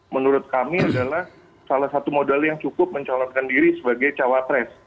menurut kami adalah salah satu modal yang cukup mencalonkan diri sebagai cawapres